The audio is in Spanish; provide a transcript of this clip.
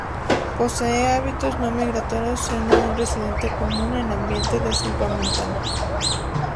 Posee hábitos no migratorios, siendo un residente común en ambiente de selva montana.